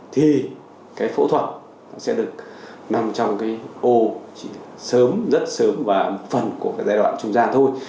thì phẫu thuật sẽ được nằm trong ô chỉ định sớm rất sớm và một phần của giai đoạn trung gian thôi